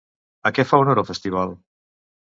A què fa honor el festival?